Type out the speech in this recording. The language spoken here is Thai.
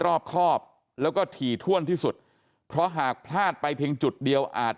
รอบครอบแล้วก็ถี่ถ้วนที่สุดเพราะหากพลาดไปเพียงจุดเดียวอาจ